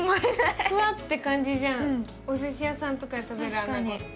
ふわって感じじゃん、お寿司屋さんとかで食べる穴子って。